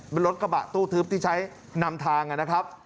เป็นรถกระบะตู้ทึบที่ใช้นำทางนะครับ